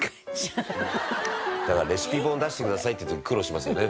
「だからレシピ本出してくださいって時に苦労しますよね」